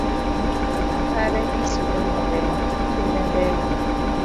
Kare isudo maber, kinda ber